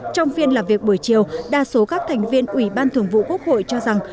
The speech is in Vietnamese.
trong phiên làm việc buổi chiều đa số các thành viên ủy ban thường vụ quốc hội cho rằng